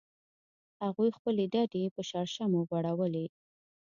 هغوی خپلې ډډې په شړشمو غوړولې